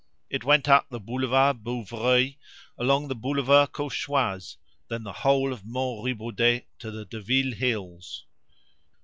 It went up the Boulevard Bouvreuil, along the Boulevard Cauchoise, then the whole of Mont Riboudet to the Deville hills.